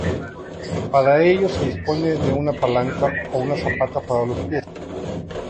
Para ello se dispone de una palanca o una zapata para los pies.